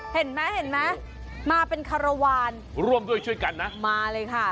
เห็นไหมเห็นไหมมาเป็นคารวาลร่วมด้วยช่วยกันนะมาเลยค่ะ